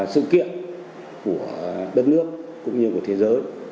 sự kiện của đất nước cũng như của thế giới